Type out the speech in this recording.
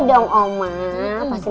lo ngasih komen deh una